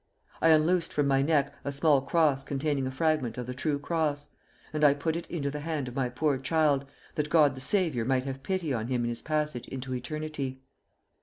I unloosed from my neck a small cross containing a fragment of the True Cross, and I put it into the hand of my poor child, that God the Saviour might have pity on him in his passage into eternity.